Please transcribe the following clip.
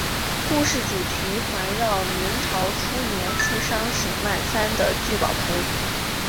故事主题环绕明朝初年富商沈万三的聚宝盆。